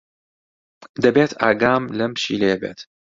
دەبێت ئاگام لەم پشیلەیە بێت.